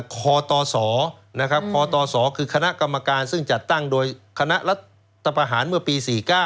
คตศคตศคือคณะกรรมการซึ่งจัดตั้งโดยคณะรัฐประหารเมื่อปี๔๙